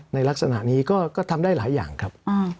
ในลักษณะนี้ก็ทำได้หลายอย่างครับ